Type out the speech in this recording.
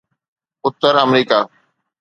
Uttar America